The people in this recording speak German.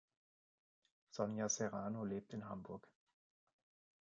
Sonia Serrano lebt in Hamburg.